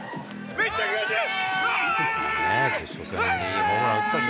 めっちゃ気持ちいい！